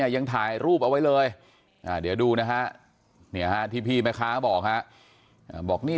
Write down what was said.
ยังถ่ายรูปเอาไว้เลยเดี๋ยวดูนะฮะที่พี่แม่ค้าบอกฮะ